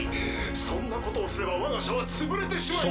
そんなことをすれば我が社は潰れてしまいます。